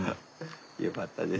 よかったです。